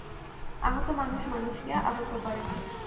আহত মানুষ মানুষকে আহত করে।